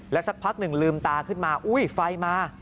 สักพักหนึ่งลืมตาขึ้นมาอุ้ยไฟมา